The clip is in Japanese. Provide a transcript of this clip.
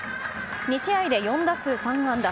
２試合で４打数３安打。